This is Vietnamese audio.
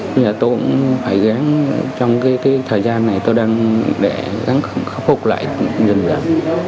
bây giờ tôi cũng phải gán trong cái thời gian này tôi đang để gán khắc phục lại dần dần